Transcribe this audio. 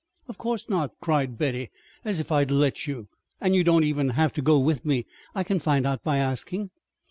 "Of course not!" cried Betty. "As if I'd let you and you don't even have to go with me. I can find out by asking."